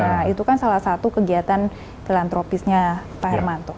ya itu kan salah satu kegiatan filantropisnya pak hermanto